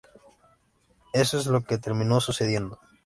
Eso es lo que terminó sucediendo.